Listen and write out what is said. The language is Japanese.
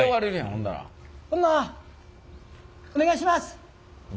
ほんならお願いします！